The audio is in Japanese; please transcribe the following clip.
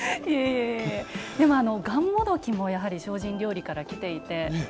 がんもどきもやはり精進料理からきていて。